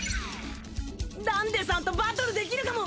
ダンデさんとバトルできるかも！